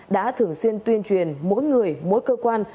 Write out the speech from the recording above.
đã thường xuyên tuyên truyền mỗi người mỗi cơ quan